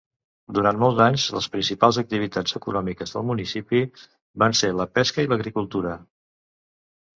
Durant molts anys les principals activitats econòmiques del municipi van ser la pesca i l'agricultura.